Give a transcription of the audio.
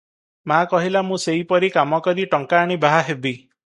ମା କହିଲା, ମୁଁ ସେଇପରି କାମ କରି ଟଙ୍କା ଆଣି ବାହା ହେବି ।